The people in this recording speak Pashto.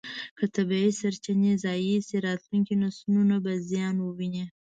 که طبیعي سرچینې ضایع شي، راتلونکي نسلونه به زیان وویني.